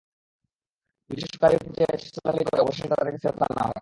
দুই দেশের সরকারি পর্যায়ে চিঠি চালাচালি করে অবশেষে তাদের ফেরত আনা হয়।